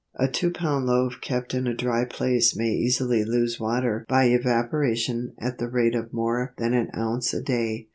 A two pound loaf kept in a dry place may easily lose water by evaporation at the rate of more than an ounce a day.